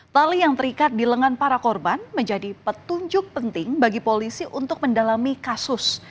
tali yang terikat di lengan para korban menjadi petunjuk penting bagi polisi untuk mendalami kasus